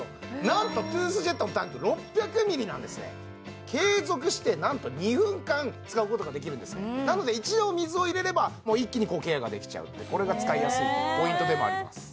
なんとトゥースジェットのタンク６００ｍｌなんですね継続してなんと２分間使うことができるんですねなので一度水を入れれば一気にケアができちゃうってこれが使いやすいポイントでもあります